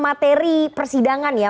materi persidangan ya